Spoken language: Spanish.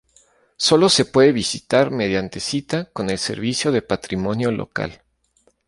Sólo se puede visitar mediante cita con el servicio de patrimonio local.